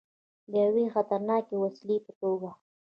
د یوې خطرناکې وسلې په توګه.